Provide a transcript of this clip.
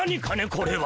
これは。